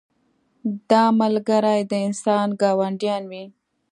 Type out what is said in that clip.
دا ملګري د انسان ګاونډیان وي.